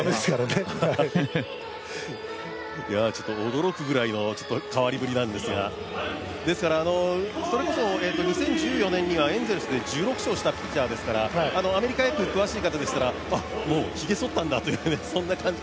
驚くぐらいの変わりぶりなんですが、それこそ２０１４年にはエンゼルスで１６勝したピッチャーですからアメリカ野球詳しい方でしたら、ひげをそったんだっていう、そんな感じ。